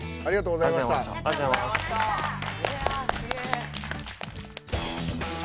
ありがとうございます。